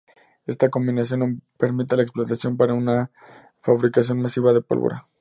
Esta combinación no permitía la explotación para una fabricación masiva de pólvora.